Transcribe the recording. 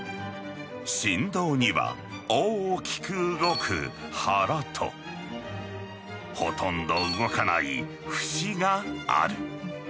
振動には大きく動く「腹」とほとんど動かない「節」がある。